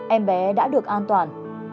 em bé đã được an toàn